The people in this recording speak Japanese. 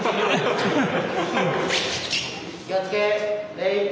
気をつけ礼。